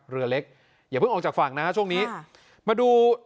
เรือเล็กอย่าเพิ่งออกจากฝั่งนะฮะช่วงนี้มาดู